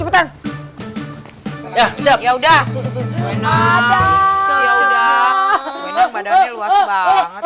ibu endang badannya luas banget